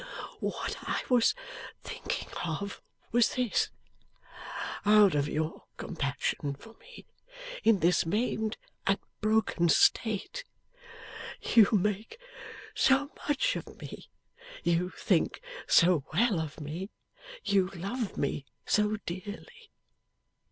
What I was thinking of was this. Out of your compassion for me, in this maimed and broken state, you make so much of me you think so well of me you love me so dearly.